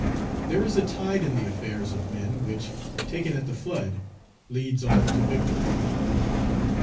"There is a tide in the affairs of men which, taken at the flood, leads on to victory."